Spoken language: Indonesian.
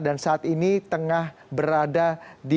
dan saat ini tengah berada di bandara internasional soekarno hatta